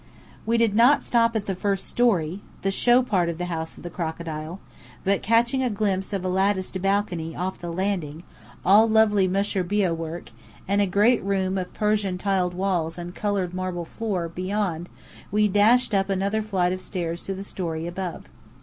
We did not stop at the first story, the "show" part of the House of the Crocodile; but catching a glimpse of a latticed balcony off the landing, all lovely mushrbiyeh work, and a great room of Persian tiled walls and coloured marble floor, beyond, we dashed up another flight of stairs to the story above.